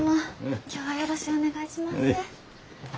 今日はよろしゅうお願いします。